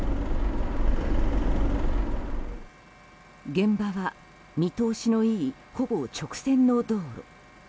現場は、見通しのいいほぼ直線の道路。